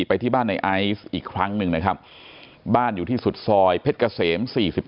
ไปที่บ้านในไอซ์อีกครั้งหนึ่งนะครับบ้านอยู่ที่สุดซอยเพชรเกษม๔๔